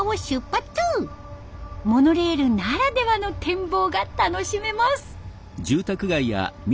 モノレールならではの展望が楽しめます。